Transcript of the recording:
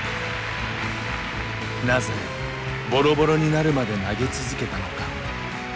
なぜボロボロになるまで投げ続けたのか。